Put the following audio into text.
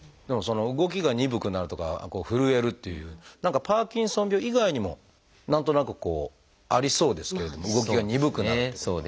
「動きが鈍くなる」とか「ふるえる」っていう何かパーキンソン病以外にも何となくこうありそうですけれども動きが鈍くなるってことは。